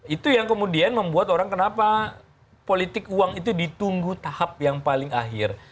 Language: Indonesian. itu yang kemudian membuat orang kenapa politik uang itu ditunggu tahap yang paling akhir